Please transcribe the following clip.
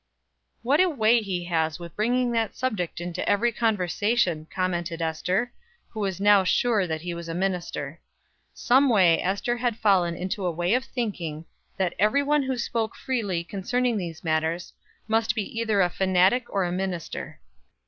"What a way he has of bringing that subject into every conversation," commented Ester, who was now sure that he was a minister. Someway Ester had fallen into a way of thinking that every one who spoke freely concerning these matters must be either a fanatic or a minister.